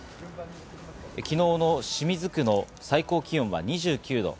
昨日の清水区の最高気温は２９度。